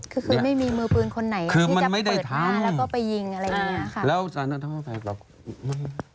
คือไม่มีมือปืนคนไหนที่จะเปิดผ้าแล้วก็ไปยิงอะไรแบบนี้